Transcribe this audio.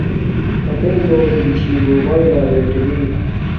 کاتݵ دو ارے گی موباݵلہ بیٹری